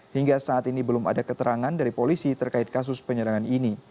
hingga saat ini belum ada keterangan dari polisi terkait kasus penyerangan ini